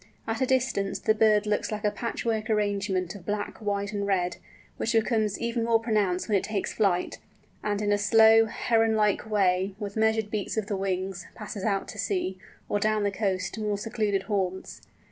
At a distance the bird looks like a patchwork arrangement of black, white, and red, which becomes even more pronounced when it takes flight, and in a slow, Heron like way, with measured beats of the wings, passes out to sea, or down the coast to more secluded haunts.